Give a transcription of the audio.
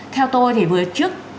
theo tôi thì vừa trước